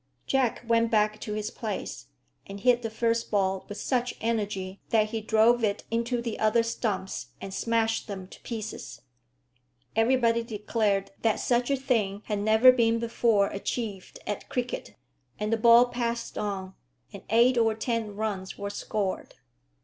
Jack went back to his place, and hit the first ball with such energy that he drove it into the other stumps and smashed them to pieces. Everybody declared that such a thing had never been before achieved at cricket, and the ball passed on, and eight or ten runs were scored.